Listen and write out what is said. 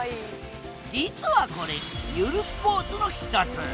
実はこれゆるスポーツの一つ。